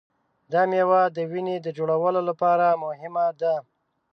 دا مېوه د وینې جوړولو لپاره مهمه ده.